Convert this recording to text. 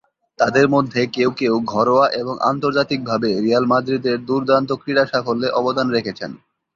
তাদের মধ্যে কেউ কেউ ঘরোয়া এবং আন্তর্জাতিকভাবে রিয়াল মাদ্রিদের দুর্দান্ত ক্রীড়া সাফল্যে অবদান রেখেছেন।